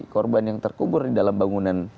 korban yang terkubur di dalam bangunan